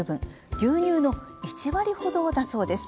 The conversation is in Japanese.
牛乳の１割程だそうです。